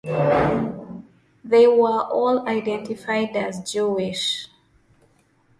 They were all identified as Jewish.